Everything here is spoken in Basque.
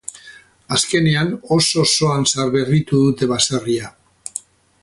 Azkenean oso-osoan zaharberritu dute baserria.